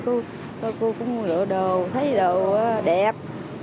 cô cũng lựa đồ thấy đồ đẹp